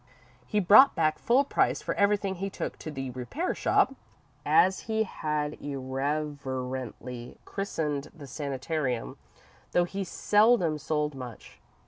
He brought back full price for everything he took to the "repair shop," as he had irreverently christened the sanitarium, though he seldom sold much.